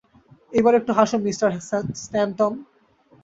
এবার একটু হাসুন, mister Stanton.